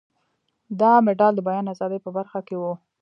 دا مډال د بیان ازادۍ په برخه کې و.